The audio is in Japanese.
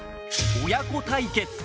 親子対決。